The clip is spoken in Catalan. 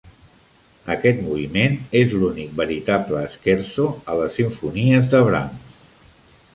Aquest moviment és l'únic veritable scherzo a les simfonies de Brahms.